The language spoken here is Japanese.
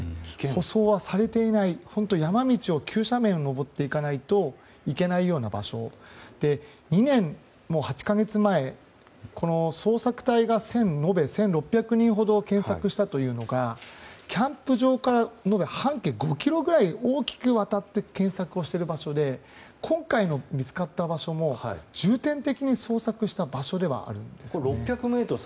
舗装はされていない山道を急斜面、登っていかないと行けないような場所で２年８か月前捜索隊が延べ１６００人ほど検索したというのがキャンプ場から延べ半径５ｋｍくらいにわたって検索している場所で今回の見つかった場所も重点的に捜索した場所ではあるんですね。